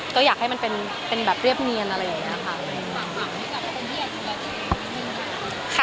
ก็อยากให้มันเป็นแบบเรียบเนียนอะไรอย่างนี้ค่ะ